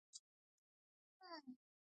د لېوني څه يې مه غواړه ،مې ورکوه.